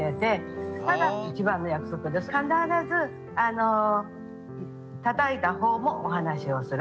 必ずたたいたほうもお話をする。